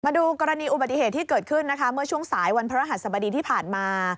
มาดูกรณีอุบัติเหตุที่เกิดขึ้นนะคะเมื่อช่วงสายวันพระรหัสบดีที่ผ่านมา